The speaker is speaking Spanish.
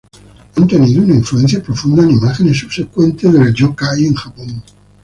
Estos trabajos han tenido una influencia profunda en imágenes subsecuentes del yōkai en Japón.